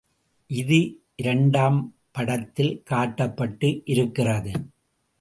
இது இரண்டாம் படத்தில் காட்டப்பட்டு இருக்கிறது.